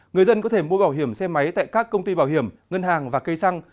người dân có thể mua bảo hiểm xe máy tại các công ty bảo hiểm ngân hàng và cây xăng